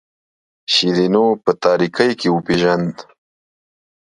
شیرینو په تاریکۍ کې وپیژاند.